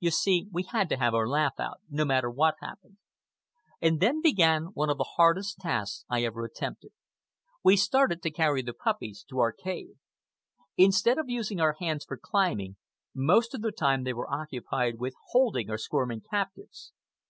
You see, we had to have our laugh out, no matter what happened. And then began one of the hardest tasks I ever attempted. We started to carry the puppies to our cave. Instead of using our hands for climbing, most of the time they were occupied with holding our squirming captives.